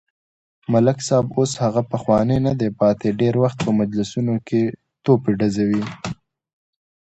ملک صاحب اوس هغه پخوانی ندی پاتې، ډېری وخت په مجلسونو کې توپې ډزوي.